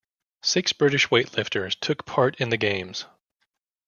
Six British weightlifters took part in the Games.